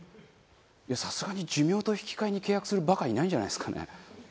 さすがに寿命と引き換えに契約するバカいないんじゃないですかね。